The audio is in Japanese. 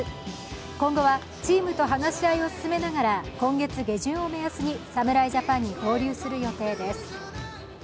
今後はチームと話し合いを進めながら今月下旬を目安に侍ジャパンに合流する予定です。